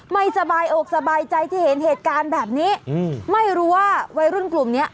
ไม่สบายอกสบายใจที่เห็นเหตุการณ์แบบนี้ไม่รู้ว่าวัยรุ่นกลุ่มเนี้ย